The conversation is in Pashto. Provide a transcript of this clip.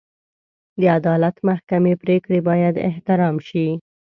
د عدالت محکمې پرېکړې باید احترام شي.